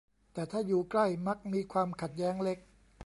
แต่ถ้าอยู่ใกล้มักมีความขัดแย้งเล็ก